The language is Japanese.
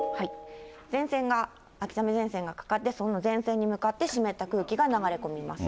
前線が、秋雨前線がかかって、その前線に向かって湿った空気が流れ込みます。